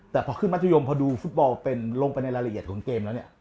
แต่พอขึ้นมัธยมพอดูฟุตบอลเป็นลงไปในรายละเอียดของเกมแล้วเนี่ย